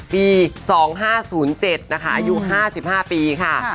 ปีสองห้าศูนย์เจ็ดนะคะอายุห้าสิบห้าปีค่ะค่ะ